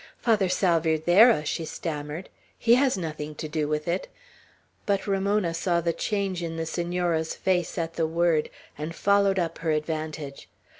"Father Salvierderra?" she stammered; "he has nothing to do with it." But Ramona saw the change in the Senora's face, at the word, and followed up her advantage.